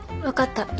分かった。